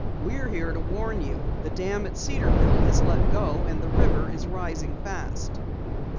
"We're here to warn you! The dam at Cedarville has let go, and the river is rising fast."